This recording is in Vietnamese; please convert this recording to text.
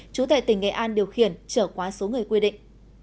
chủ tệ tỉnh nghệ an điều khiển trở quá số người quy định